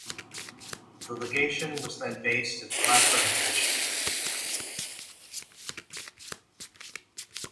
The legation was then based in the Blackburn mansion.